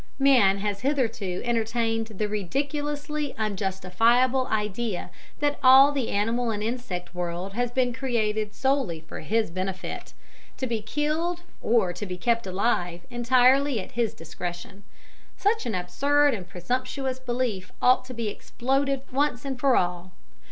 Man has hitherto entertained the ridiculously unjustifiable idea that all the animal and insect world has been created solely for his benefit, to be killed or to be kept alive entirely at his discretion. Such an absurd and presumptuous belief ought to be exploded once and for all.